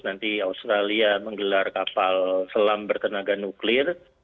nanti australia menggelar kapal selam bertenaga nuklir